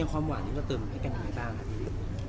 แล้วความหวานนี้ก็เติมให้กันยังไงตาม